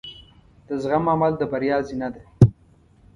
د زغم عمل د بریا زینه ده.